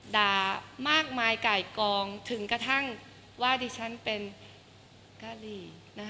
ด่ามากมายไก่กองถึงกระทั่งว่าดิฉันเป็นกะหรี่